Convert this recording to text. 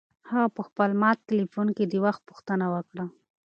هغه په خپل مات تلیفون کې د وخت پوښتنه وکړه.